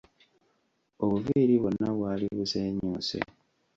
Obuviiri bwonna bwali buseenyuuse.